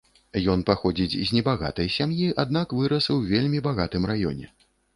Ён паходзіць з небагатай сям'і, аднак вырас у вельмі багатым раёне.